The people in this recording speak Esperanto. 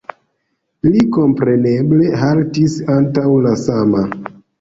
Li kompreneble haltis antaŭ la sama.